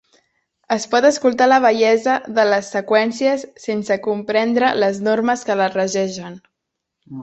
Es pot escoltar la bellesa de les seqüències sense comprendre les normes que les regeixen.